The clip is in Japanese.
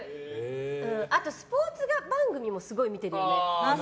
あと、スポーツ番組もすごい見てるよね。